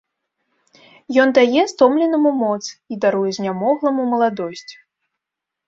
Ён дае стомленаму моц і даруе знямогламу маладосць.